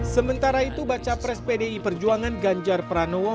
sementara itu baca pres pdi perjuangan ganjar pranowo